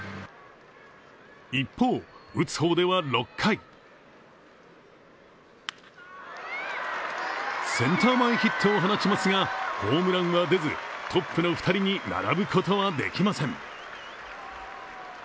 一方、打つ方では６回センター前ヒットを放ちますがホームランは出ずトップの２人に並ぶことはできません。